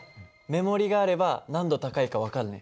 目盛りがあれば何度高いか分かるね。